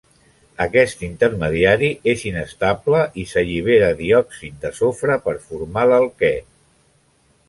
Aquest intermediari és inestable i s'allibera diòxid de sofre per formar l'alquè.